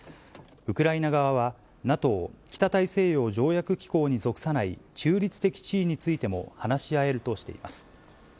ウクライナ側は、ＮＡＴＯ・北大西洋条約機構に属さない中立的地位についても話し合えるとしています。